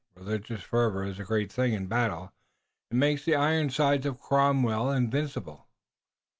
Religious fervor is a great thing in battle. It made the Ironsides of Cromwell invincible."